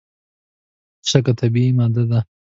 شګه طبیعي ماده ده.